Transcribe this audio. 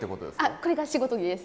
これが仕事着です。